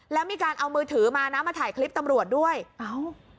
แล้วมีการเอามือถือมานะมาถ่ายคลิปตำรวจด้วยเอ้า